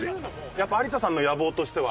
やっぱり有田さんの野望としては。